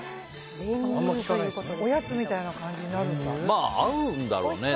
おやつみたいな感じに合うんだろうね。